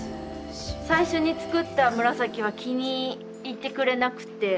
最初に作った紫は気に入ってくれなくて。